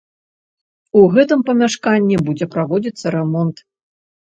У гэтым памяшканні будзе праводзіцца рамонт.